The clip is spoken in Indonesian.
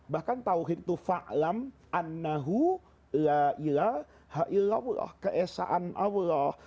bahkan tauhid itu fa'lam an nahu la'ila ha'ilawlah keesaan allah